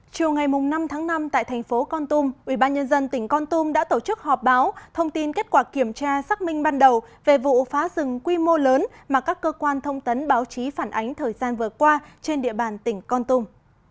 chiều ngày năm tháng năm tại thành phố con tum ubnd tỉnh con tum đã tổ chức họp báo thông tin kết quả kiểm tra xác minh ban đầu về vụ phá rừng quy mô lớn mà các cơ quan thông tấn báo chí phản ánh thời gian vừa qua trên địa bàn tỉnh con tum